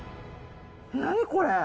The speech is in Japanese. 何これ。